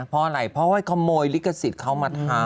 เพราะอะไรเพราะว่าขโมยลิขสิทธิ์เขามาทำ